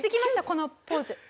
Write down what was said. このポーズ。